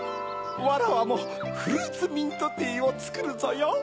わらわもフルーツミントティーをつくるぞよ。